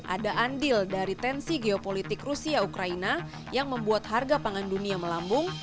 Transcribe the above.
ada andil dari tensi geopolitik rusia ukraina yang membuat harga pangan dunia melambung